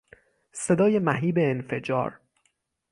صدای مهیب انفجار